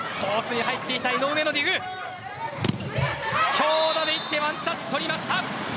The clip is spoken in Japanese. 強打でいってワンタッチ取りました。